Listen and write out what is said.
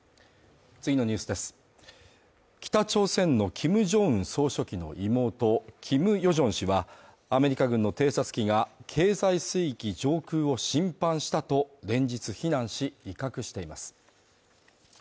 北朝鮮のキム・ジョンウン総書記の妹、キム・ヨジョン氏は、アメリカ軍の偵察機が経済水域上空を侵犯したと連日非難し、威嚇しています。